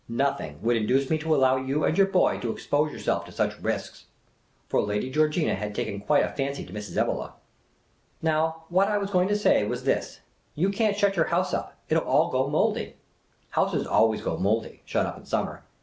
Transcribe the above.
Nothing would induce me to allow you and your boy to expose yourself to such risks." For Lady Georgina had taken quite a fancy to Mrs. Evelegh. " But what I was just going to say was this : you can't shut your house up ; it '11 all go mould3\ Houses always go mouldy, shut up in summer.